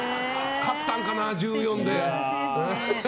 勝ったのかな、１４で。